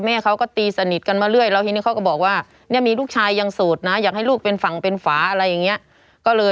ไม่ได้ใหญ่ตัวหรอกอยู่ที่จังหวัดเลยหรอ